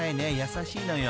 優しいのよ］